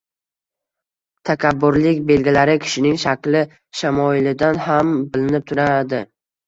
Takabburlik, belgilari kishining shakli shamoilidan ham bilinib turadi